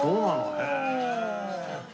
へえ。